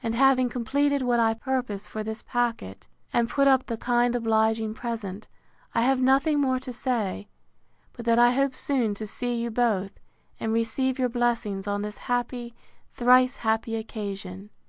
And having completed what I purpose for this packet, and put up the kind obliging present, I have nothing more to say, but that I hope soon to see you both, and receive your blessings on this happy, thrice happy occasion.